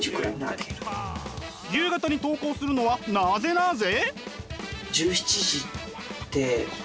夕方に投稿するのはなぜなぜ？